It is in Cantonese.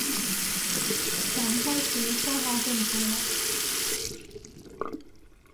噉開始粗口競賽嘞